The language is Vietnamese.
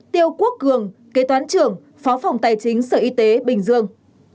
tiêu quốc cường kế toán trưởng phó phòng tài chính sở y tế bình dương